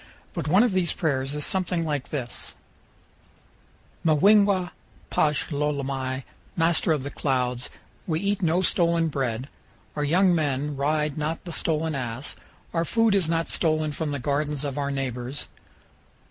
But one of these prayers is something like this: "Muingwa pash lolomai, Master of the Clouds, we eat no stolen bread; our young men ride not the stolen ass; our food is not stolen from 340 CANYONS OF THE COLORADO. the gardens of our neighbors.